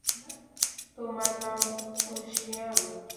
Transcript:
তোমার নাম ঊশিয়ান?